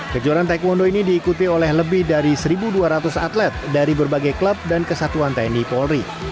kejuaraan taekwondo ini diikuti oleh lebih dari satu dua ratus atlet dari berbagai klub dan kesatuan tni polri